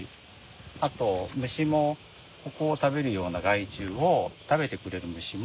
あと虫もここを食べるような害虫を食べてくれる虫もたくさん入ってくる。